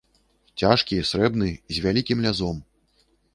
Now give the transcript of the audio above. Цяжкі, срэбны, з вялікім лязом!